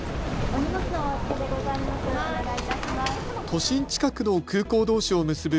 都心近くの空港どうしを結ぶ